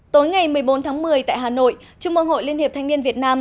tối ngày một mươi bốn tháng một mươi tại hà nội trung mương hội liên hiệp thanh niên việt nam